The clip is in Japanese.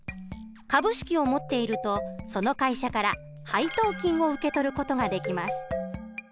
株式を持っているとその会社から配当金を受け取る事ができます。